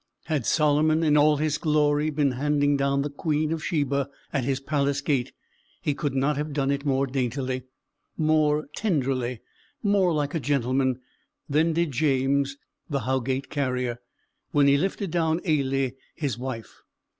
Had Solomon, in all his glory, been handing down the Queen of Sheba at his palace gate he could not have done it more daintily, more tenderly, more like a gentleman, than did James the Howgate carrier, when he lifted down Ailie his wife.